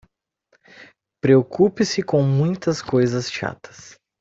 Preocupe-se com muitas coisas chatas